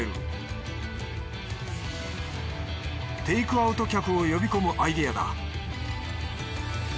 テークアウト客を呼び込むアイデアだ